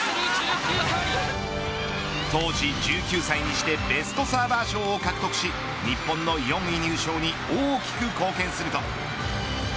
当時１９歳にしてベストサーバー賞を獲得し日本の４位入賞に大きく貢献すると。